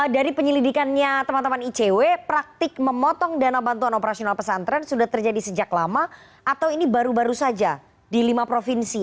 jadi pendidikannya teman teman icw praktik memotong dana bantuan operasional pesantren sudah terjadi sejak lama atau ini baru baru saja di lima provinsi